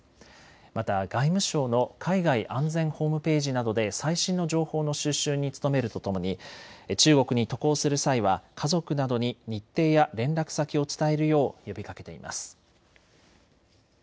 また外務省の海外安全ホームページなどで最新の情報の収集に努めるとともに中国に渡航する際は家族などに日程や連絡先を伝えるよう呼びかけています。